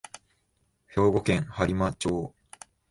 兵庫県播磨町